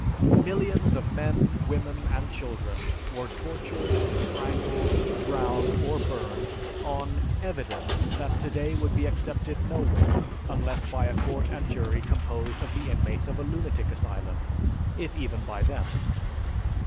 Millions of men, women, and children were tortured, strangled, drowned, or burned on "evidence" that today would be accepted nowhere unless by a court and jury composed of the inmates of a lunatic asylum, if even by them.